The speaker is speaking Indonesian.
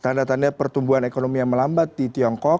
apakah ini juga tanda tanda pertumbuhan ekonomi yang melambat di tiongkok